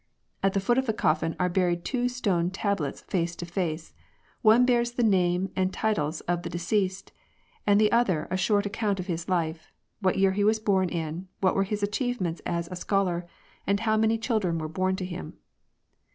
At the foot of the coffin are buried two stone tablets face to face ; one bears the name and titles of the deceased, and the other a short account of his life, what year he was born in, what were his achievements as a scholar, and how many children were born to him.